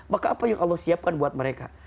maka apa yang allah siapkan buat mereka